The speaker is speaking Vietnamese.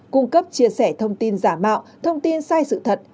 cung cấp chia sẻ thông tin giả mạo thông tin sai sự thật